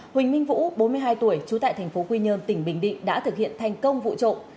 huỳnh minh vũ bốn mươi hai tuổi trú tại tp quy nhơn tỉnh bình định đã thực hiện thành công vụ trộm